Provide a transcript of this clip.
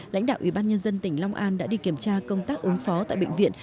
lãnh đạo ủy ban nhân dân tỉnh long an đã đi kiểm tra công tác ứng phó tại bệnh viện